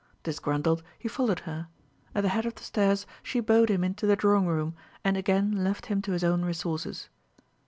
Disgruntled, he followed her; at the head of the stairs she bowed him into the drawing room and again left him to his own resources.